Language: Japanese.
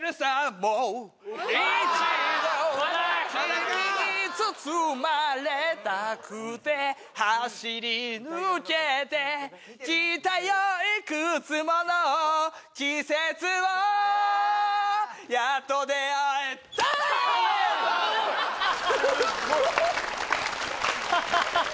もう一度君に包まれたくて走り抜けて来たよ幾つもの季節をやっと出会えた・すっご！